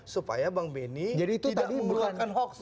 supaya bang benny tidak mengeluarkan hoax